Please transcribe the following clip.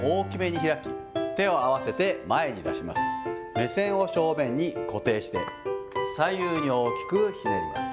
目線を正面に固定して、左右に大きくひねります。